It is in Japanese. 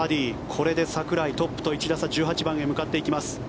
これで櫻井、トップと１打差１８番へ向かっていきます。